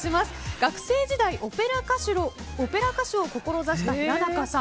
学生時代、オペラ歌手を志した平仲さん。